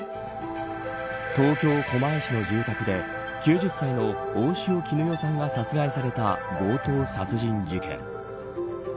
東京、狛江市の住宅で９０歳の大塩衣与さんが殺害された強盗殺人事件。